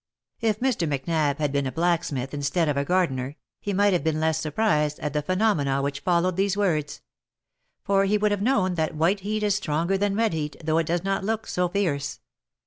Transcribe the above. If Mr. Macnab had been a blacksmith instead of a gardener, he might have been less surprised at the phenomena which followed these words ; for he would have known that white heat is stronger than red heat, though it does not look so fierce.